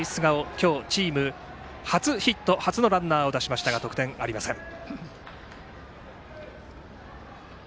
今日チーム初ヒット初のランナーを出しましたが得点ありません。